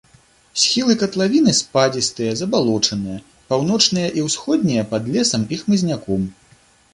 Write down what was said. Схілы катлавіны спадзістыя, забалочаныя, паўночныя і ўсходнія пад лесам і хмызняком.